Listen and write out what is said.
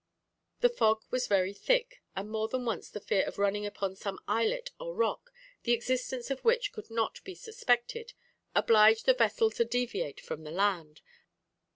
The fog was very thick, and more than once the fear of running upon some islet or rock, the existence of which could not be suspected, obliged the vessels to deviate from the land.